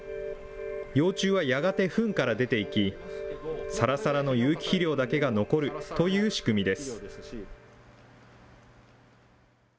幼虫はやがてふんから出ていき、さらさらの有機肥料だけが残るという仕組みです。